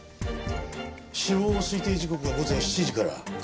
死亡推定時刻が午前７時から９時の間。